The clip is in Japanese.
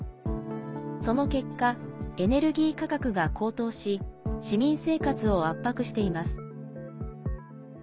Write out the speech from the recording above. その結果エネルギー価格が高騰し市民生活を圧迫しています。